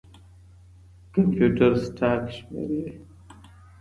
کمپيوټر سټاک شمېرې.